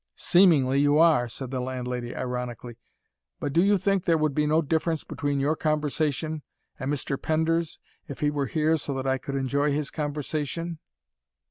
"SEEMINGLY, you are," said the landlady ironically. "But do you think there would be no difference between your conversation, and Mr. Pender's, if he were here so that I could enjoy his conversation?"